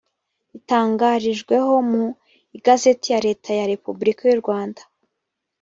ritangarijweho mu igazeti ya leta ya repubulika y urwanda